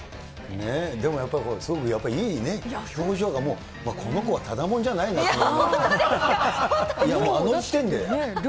でもやっぱり、すごくやっぱりいいね、表情がもう、この子はただもんじゃないなと思う。